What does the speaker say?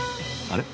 あれ？